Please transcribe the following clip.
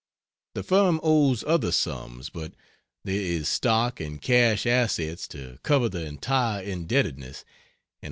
The firm owes other sums, but there is stock and cash assets to cover the entire indebtedness and $116,679.